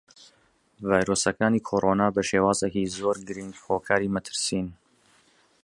ڤایرۆسەکانی کۆڕۆنا بەشێوازێکی زۆر گرینگ هۆکاری مەترسین.